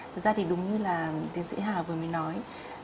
thực ra thì đúng như là tiến sĩ hà vừa mới nói